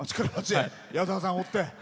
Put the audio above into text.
矢沢さんを追って。